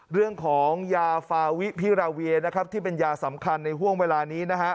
เรื่องของยาฟาวิพิราเวียนะครับที่เป็นยาสำคัญในห่วงเวลานี้นะฮะ